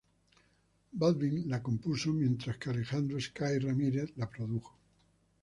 Balvin la compuso, mientras que Alejandro "Sky" Ramírez la produjo.